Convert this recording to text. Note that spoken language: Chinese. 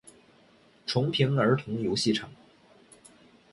重平儿童游戏场